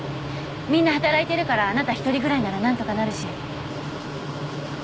みんな働いてるからあなた一人ぐらいなら何とかなるし。